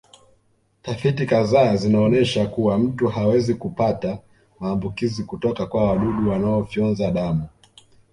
Tafiti kadhaa zinaonyesha kuwa mtu hawezi kupata maambukizi kutoka kwa wadudu wanaofyonza damu